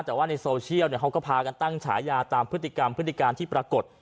แต่ว่าในโซเชียลเขาก็พากันตั้งฉายาตามพฤติกรรมพฤติการที่ปรากฏ